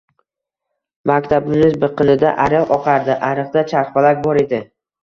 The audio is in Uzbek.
Maktabimiz biqinida ariq oqardi. Ariqda charxpalak bor edi.